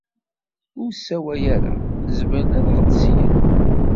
Ur ssawal ara. Zemren ad aɣ-d-slen.